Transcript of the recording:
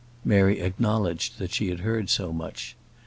Mary acknowledged that she had heard so much.